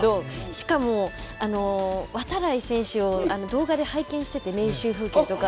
しかも、度会選手を動画で拝見していて、練習風景とか。